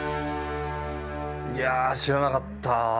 いや知らなかった。